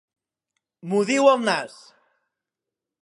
M'ho diu el nas.